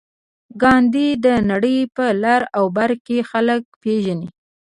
ګاندي د نړۍ په لر او بر کې خلک پېژني.